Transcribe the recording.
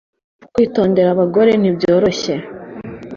Kwitondera abagore ntibyoroshye